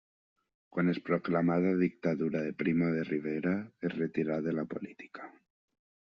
Quan es proclamà la Dictadura de Primo de Rivera es retirà de la política.